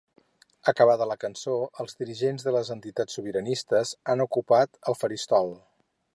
Acabada la cançó, els dirigents de les entitats sobiranistes han ocupat el faristol.